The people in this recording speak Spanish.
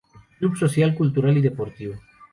Club Social Cultural y Dep.